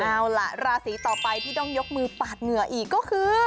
เอาล่ะราศีต่อไปที่ต้องยกมือปาดเหงื่ออีกก็คือ